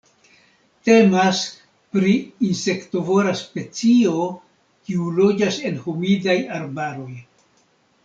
Temas pri insektovora specio kiu loĝas en humidaj arbaroj.